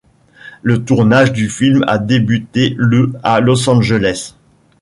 Le tournage du film a débuté le à Los Angeles.